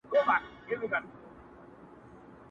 • نجات نه ښکاري د هيچا له پاره,